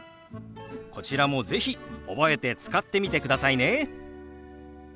こちらも是非覚えて使ってみてくださいね。